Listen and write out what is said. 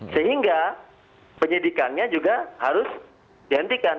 sehingga penyidikannya juga harus dihentikan